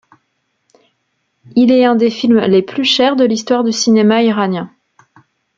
Il est un des films les plus chers de l'histoire du cinéma iranien.